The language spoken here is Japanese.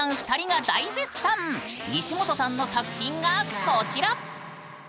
西本さんの作品がこちら！